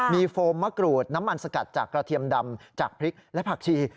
มีโฟมมะกรูดน้ำมันสกัดจากกระเทียมดำจากพริกและผักชี